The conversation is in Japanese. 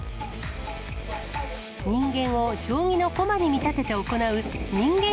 人間を将棋の駒に見立てて行う人間